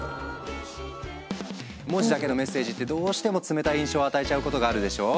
文字だけのメッセージってどうしても冷たい印象を与えちゃうことがあるでしょ？